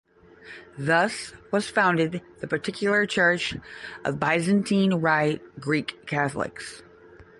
Thus was founded the particular Church of Byzantine Rite Greek Catholics.